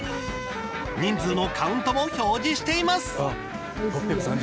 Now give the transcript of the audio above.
人数のカウントも表示しています。